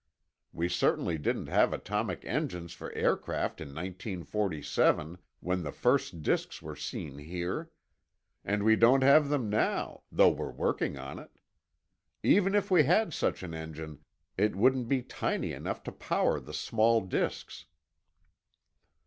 We certainly didn't have atomic engines for aircraft in 1947, when the first disks were seen here. And we don't have them now, though we're working on it. Even if we had such an engine, it wouldn't be tiny enough to power the small disks."